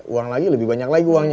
uang lagi lebih banyak lagi uangnya